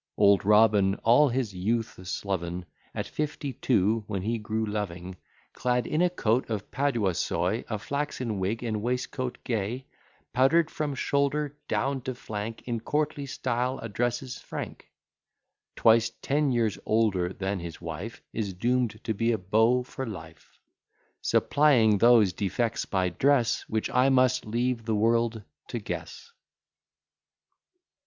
Old Robin, all his youth a sloven, At fifty two, when he grew loving, Clad in a coat of paduasoy, A flaxen wig, and waistcoat gay, Powder'd from shoulder down to flank, In courtly style addresses Frank; Twice ten years older than his wife, Is doom'd to be a beau for life; Supplying those defects by dress, Which I must leave the world to guess.